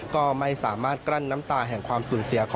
ก็ไม่สามารถกลั้นน้ำตาแห่งความสูญเสียของ